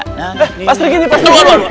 eh pak sri gini pak sri gini